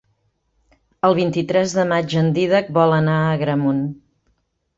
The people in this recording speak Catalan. El vint-i-tres de maig en Dídac vol anar a Agramunt.